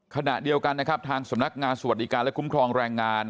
ขณะเดียวกันนะครับทางสำนักงานสวัสดิการและคุ้มครองแรงงาน